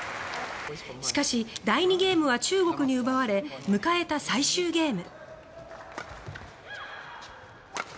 しかし、第２ゲームは中国に奪われ迎えた最終ゲーム。